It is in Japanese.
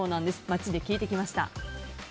街で聞いてきました。